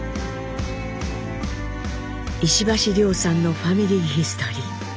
石橋凌さんの「ファミリーヒストリー」。